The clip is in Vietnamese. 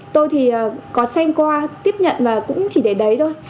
tôi thì có xem qua tiếp nhận và cũng chỉ để đấy thôi